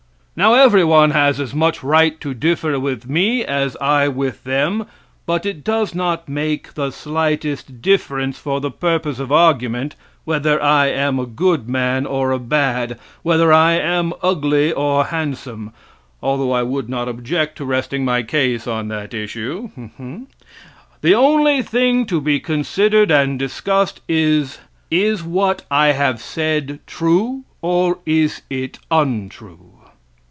Now, every one has as much right to differ with me as I with them, but it does not make the slightest difference for the purpose of argument whether I am a good man or a bad, whether I am ugly or handsome although I would not object to resting my case on that issue; the only thing to be considered and discussed is, is what I have said true, or is it untrue?